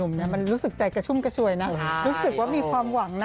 มันรู้สึกใจกระชุ่มกระชวยนะรู้สึกว่ามีความหวังนะ